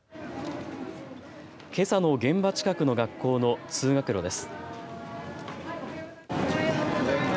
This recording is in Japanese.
けさの現場近くの学校の通学路です。